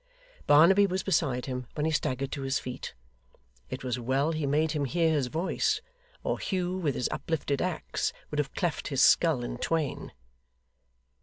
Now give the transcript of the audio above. Barnaby was beside him when he staggered to his feet. It was well he made him hear his voice, or Hugh, with his uplifted axe, would have cleft his skull in twain.